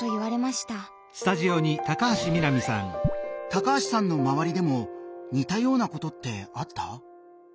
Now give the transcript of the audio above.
高橋さんの周りでも似たようなことってあった？